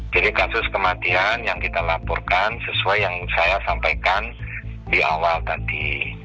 kasus kematian yang kita laporkan sesuai yang saya sampaikan di awal tadi